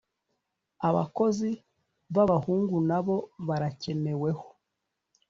Abakozi ba bahungu na bo barakeneweho